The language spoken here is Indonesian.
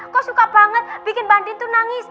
kok suka banget bikin mbak andin tuh nangis